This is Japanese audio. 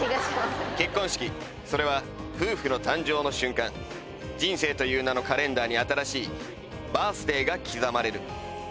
結婚式それは夫婦の誕生の瞬間人生という名のカレンダーに新しいバース・デイが刻まれる